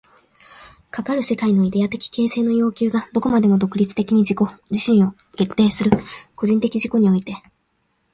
かかる世界のイデヤ的形成の要求がどこまでも独立的に自己自身を限定する個人的自己において、